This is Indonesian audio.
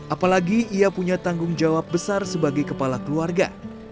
apalagi ia punya tanggung jawab besar sebagai kepala keluarga